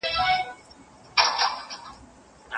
هره شپه مي تر خوبونو ارغوان ولي راځي